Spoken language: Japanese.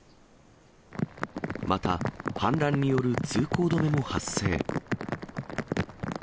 また、氾濫による通行止めも発生。